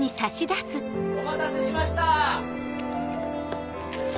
お待たせしました！